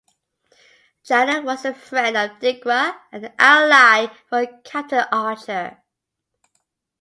Jannar was a friend of Degra and an ally of Captain Archer.